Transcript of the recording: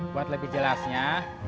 buat lebih jelasnya